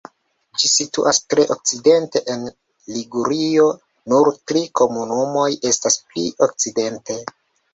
Ĝi situas tre okcidente en Ligurio; nur tri komunumoj estas pli okcidente.